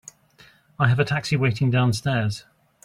I have a taxi waiting downstairs.